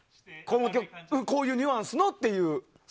こういうニュアンスのっていう。